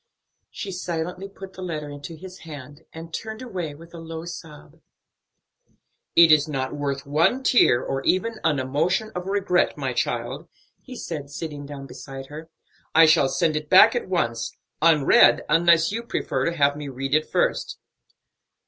She silently put the letter into his hand, and turned away with a low sob. "It is not worth one tear, or even an emotion of regret, my child," he said, sitting down beside her. "I shall send it back at once; unread, unless you prefer to have me read it first."